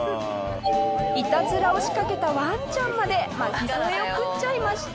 いたずらを仕掛けたワンちゃんまで巻き添えを食っちゃいました。